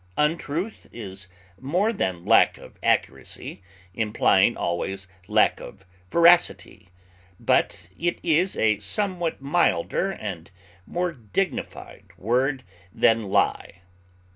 Untruth is more than lack of accuracy, implying always lack of veracity; but it is a somewhat milder and more dignified word than lie.